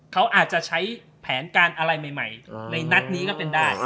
เขาอาจจะใช้แผนการอะไรใหม่ในนัดนี้ก็เป็นได้